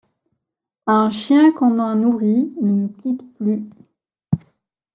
Un chien qu’on a nourri ne nous quitte plus !